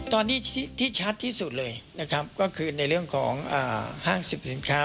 ตอนนี้ที่ชัดที่สุดเลยนะครับก็คือในเรื่องของห้างสรรพสินค้า